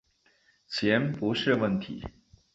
钱不是问题